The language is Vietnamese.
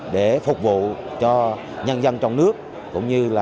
để phục vụ cho nhân dân